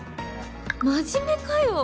「真面目かよ」。